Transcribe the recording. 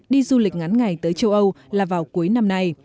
đi du lịch ngắn ngày tới châu âu là vào cuối năm nay